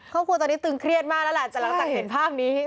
ครอบครัวตอนนี้ตึงเครียดมากแล้วแหละแต่หลังจากเห็นภาพนี้